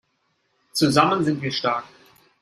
Zusammen sind wir stark